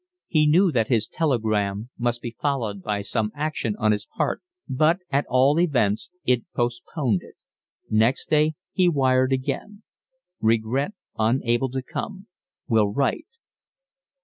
He knew that his telegram must be followed by some action on his part, but at all events it postponed it. Next day he wired again. Regret, unable to come. Will write.